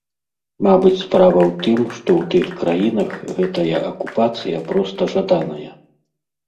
Мабыць, справа ў тым, што ў тых краінах гэтая акупацыя проста жаданая.